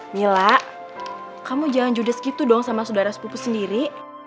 mila kamu jangan judes gitu dong sama saudara sepupu sendiri